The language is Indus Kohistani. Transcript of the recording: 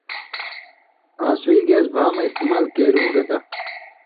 آں سُوئ گیس بھا مہ استعمال کیرُوں گتہ